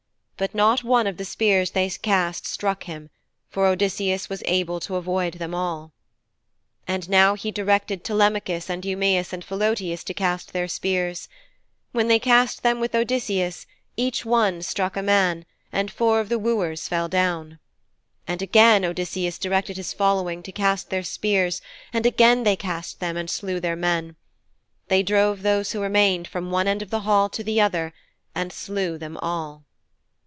But not one of the spears they cast struck him, for Odysseus was able to avoid them all. And now he directed Telemachus and Eumæus and Philœtius to cast their spears. When they cast them with Odysseus, each one struck a man, and four of the wooers fell down. And again Odysseus directed his following to cast their spears, and again they cast them, and slew their men. They drove those who remained from one end of the hall to the other, and slew them all.